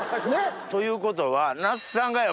ということは。